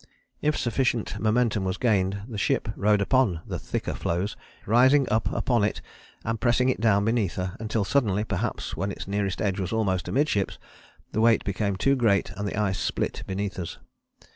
If sufficient momentum was gained the ship rode upon the thicker floes, rising up upon it and pressing it down beneath her, until suddenly, perhaps when its nearest edge was almost amidships, the weight became too great and the ice split beneath us.